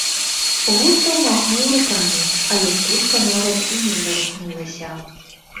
Густаў махнуў рукамі, але птушка нават і не зварухнулася.